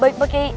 baik pak kiai